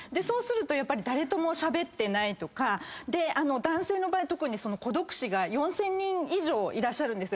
そうすると誰ともしゃべってないとか男性の場合特に孤独死が４，０００人以上いらっしゃるんです。